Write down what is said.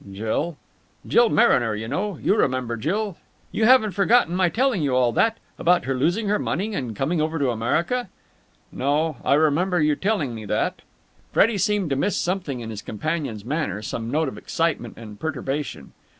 "Jill?" "Jill Mariner, you know. You remember Jill? You haven't forgotten my telling you all that? About her losing her money and coming over to America?" "No. I remember you telling me that." Freddie seemed to miss something in his companion's manner, some note of excitement and perturbation.